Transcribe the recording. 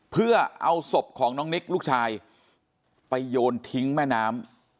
เพื่อเอาศพของน้องนิกลูกชายไปโยนทิ้งแม่น้ำ